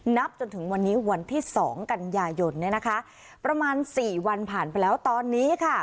นับจนถึงวันนี้วันที่สองกันยายนเนี่ยนะคะประมาณสี่วันผ่านไปแล้วตอนนี้ค่ะ